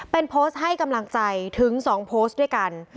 เป็นโพสต์ให้กำลังใจถึง๒โพสต์ด้วยกัน